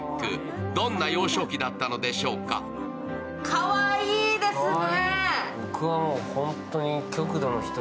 かわいいですね。